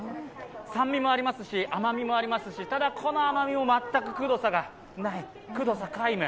酸味もありますし甘みもありますし、ただこの甘みも全くくどさがない、くどさ皆無。